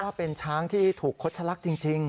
ว่าเป็นช้างที่ถูกโฆษลักษณ์จริง